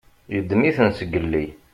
Yeddem-iten zgelli.